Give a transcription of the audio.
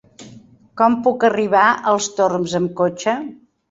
Com puc arribar als Torms amb cotxe?